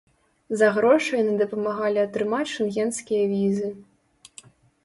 За грошы яны дапамагалі атрымаць шэнгенскія візы.